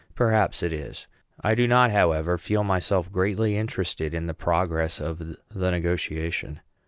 Perhaps it is. I do not, however, feel myself greatly interested in the progress of the negotiation.